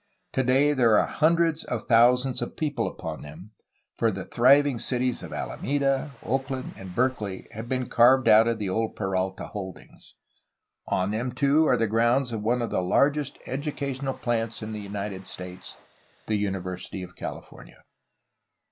Today there are hundreds of thousands of people upon them, for the thriving cities of Alameda, Oak land, and Berkeley have been carved out of the old Peralta holdings. On them too are the grounds of one of the largest educational plants in the United States, the University of California.